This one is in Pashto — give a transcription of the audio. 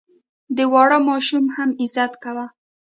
د واړه ماشوم هم عزت کوه.